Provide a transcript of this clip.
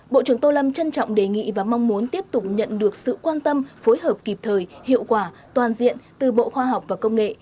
bộ trưởng tô lâm trân trọng đề nghị và mong muốn tiếp tục nhận được sự quan tâm phối hợp kịp thời hiệu quả toàn diện từ bộ khoa học và công nghệ